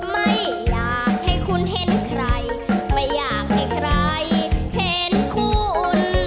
ไม่อยากให้คุณเห็นใครไม่อยากให้ใครเห็นคุณ